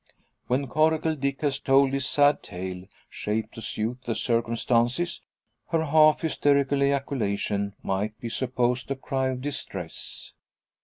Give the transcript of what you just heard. When Coracle Dick has told his sad tale, shaped to suit the circumstances, her half hysterical ejaculation might be supposed a cry of distress.